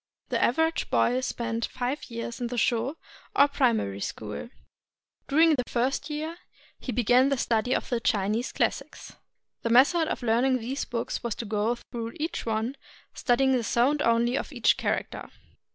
The average boy spent five years in the Sho, or Primary School. During the first year he began the study of the Chinese classics. The method of learning these books was to go through each one, studying the sound only of each character.